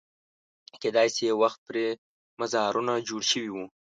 کېدای شي یو وخت پرې مزارونه جوړ شوي وو.